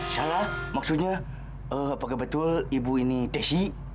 salah maksudnya apakah betul ibu ini tesi